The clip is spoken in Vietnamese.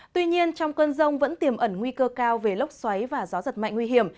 tuy nhiên trong cơn rông vẫn tiềm ẩn nguy cơ cao về lốc xoáy và gió giật mạnh nguy hiểm